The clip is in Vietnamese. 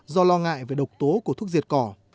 do ngại về độc tố của thuốc diệt cỏ